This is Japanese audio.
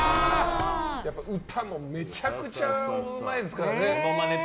歌もめちゃくちゃうまいですからね。